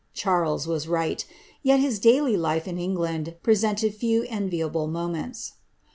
Charles was right Yet his daily life, in England, presented few enviable moments.